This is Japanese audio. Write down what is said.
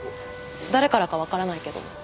誰からかわからないけど。